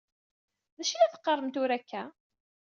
D acu i la teqqaṛem tura akka?